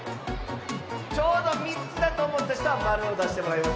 ちょうど３つだとおもったひとは○をだしてもらいます。